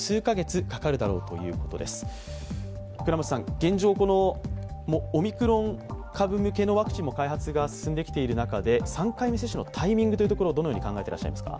現状、オミクロン株向けのワクチンも開発が進んできている中で３回目接種のタイミングというところどう考えていらっしゃいますか？